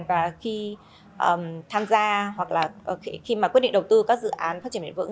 và khi tham gia hoặc là khi mà quyết định đầu tư các dự án phát triển bền vững